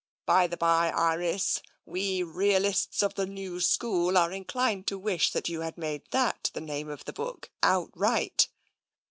By the by, Iris, we realists of the new school are inclined to wish that you had made that the name of the book outright."